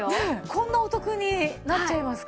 こんなお得になっちゃいますか？